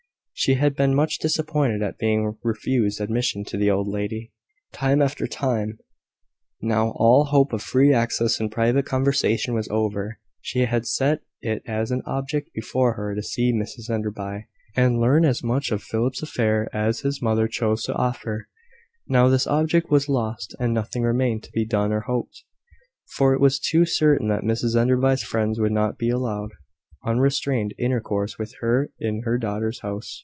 She had been much disappointed at being refused admission to the old lady, time after time. Now all hope of free access and private conversation was over. She had set it as an object before her to see Mrs Enderby, and learn as much of Philip's affair as his mother chose to offer: now this object was lost, and nothing remained to be done or hoped for it was too certain that Mrs Enderby's friends would not be allowed unrestrained intercourse with her in her daughter's house.